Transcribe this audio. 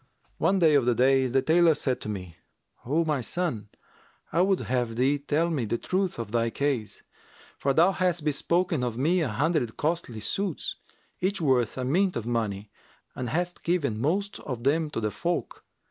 One day of the days the tailor said to me, 'O my son, I would have thee tell me the truth of thy case; for thou hast bespoken of me an hundred costly suits, each worth a mint of money, and hast given the most of them to the folk.